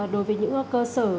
đối với những cơ sở